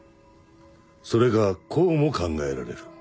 それかこうも考えられる。